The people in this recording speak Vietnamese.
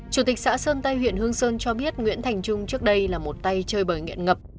chủ tịch xã sơn tây huyện hương sơn cho biết nguyễn thành trung trước đây là một tay chơi bời nghiện ngập